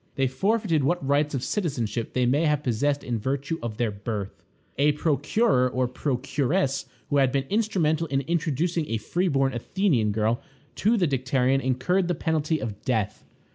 They forfeited what rights of citizenship they may have possessed in virtue of their birth. A procurer or procuress who had been instrumental in introducing a free born Athenian girl to the Dicterion incurred the penalty of death.